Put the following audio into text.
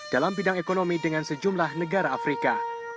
dalam bidang ekonomi dengan sejumlah negara afrika